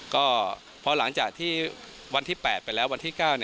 ก็พอหลังจากที่วันที่๘ไปแล้ววันที่๙